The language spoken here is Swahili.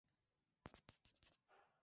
uko na nini mkononi.